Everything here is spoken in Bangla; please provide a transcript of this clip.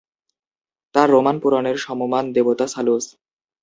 তার রোমান পুরাণের সমমান দেবতা সালুস।